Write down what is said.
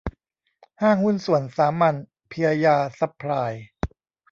ห้างหุ้นส่วนสามัญ เพียยาซัพพลาย